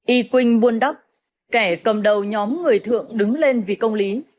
y quynh buôn đắp kẻ cầm đầu nhóm người thượng đứng lên vì công lý